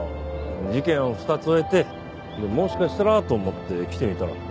事件を２つ終えてもしかしたらと思って来てみたら。